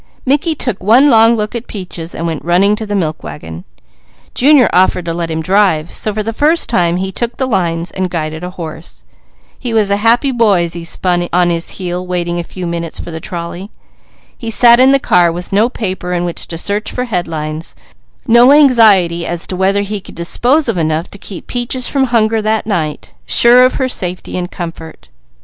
Mickey took one long look at Peaches and went running to the milk wagon. Junior offered to let him drive, so for the first time he took the lines and guided a horse. He was a happy boy as he spun on his heel waiting a few minutes for the trolley. He sat in the car with no paper in which to search for headlines, no anxiety as to whether he could dispose of enough to keep Peaches from hunger that night, sure of her safety and comfort.